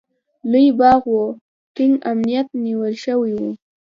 لوی باغ و، ټینګ امنیت نیول شوی و.